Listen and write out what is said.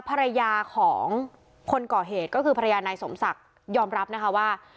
ภรรยาของคนก่อเหตุก็คือภรรยานายสมศักดิ์ยอมรับนะคะว่า